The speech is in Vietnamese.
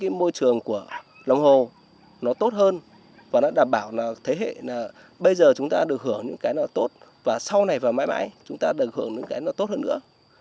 cái môi trường của lòng hồ nó tốt hơn và nó đảm bảo là thế hệ là bây giờ chúng ta được hưởng những cái là tốt và sau này vào mãi mãi chúng ta được hưởng những cái nó tốt hơn nữa